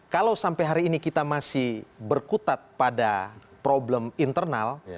kalau sampai hari ini kita masih berkutat pada problem internal